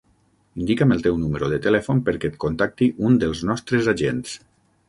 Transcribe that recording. Indica'm el teu número de telèfon perquè et contacti un dels nostres agents.